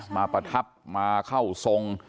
ประทับมาเข้าทรง